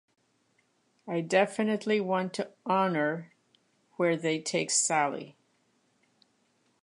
I definitely want to honor where they take Sally.